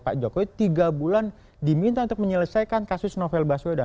pak jokowi tiga bulan diminta untuk menyelesaikan kasus novel baswedan